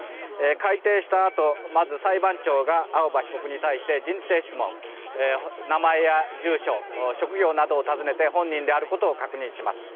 開廷したあと、まず裁判長が青葉被告に対して人定質問名前や住所、職業などを尋ねて本人であることを確認します。